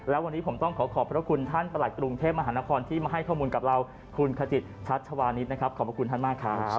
และวันนี้ผมต้องขอขอบพระคุณท่านประหลัดกรุงเทพมหานครที่มาให้ข้อมูลกับเราคุณขจิตชัชวานิสนะครับขอบพระคุณท่านมากครับ